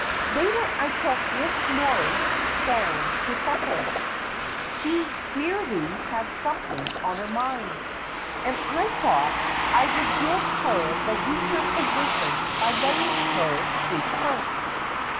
Later I took Miss Morrice down to supper. She clearly had something on her mind, and I thought I would give her the weaker position by letting her speak first.